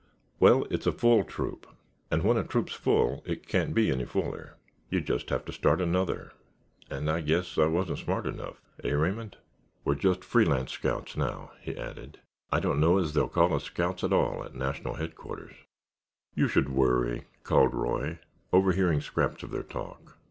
"Well, it's a full troop, and when a troop's full it can't be any fuller. You just have to start another and I guess I wasn't smart enough—hey, Raymond? We're just free lance scouts now," he added. "I don't know as they'll call us scouts at all at National Headquarters." "You should worry," called Roy, overhearing scraps of their talk.